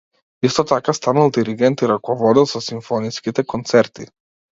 Исто така станал диригент и раководел со симфониските концерти.